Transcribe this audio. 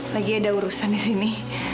lagi ada urusan disini